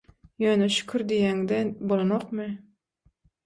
-Ýöne şükür diýeňde bolanokmy?